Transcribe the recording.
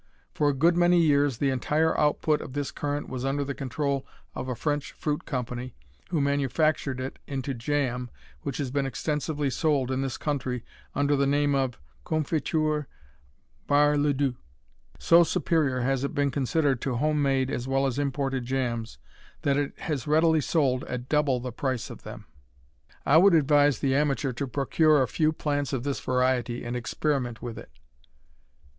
For a good many years the entire output of this currant was under the control of a French fruit company who manufactured it into jam which has been extensively sold in this country under the name of Confiture Bar le Duc. So superior has it been considered to home made as well as imported jams, that it has readily sold at double the price of them. I would advise the amateur to procure a few plants of this variety and experiment with it.